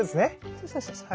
そうそうそうそう。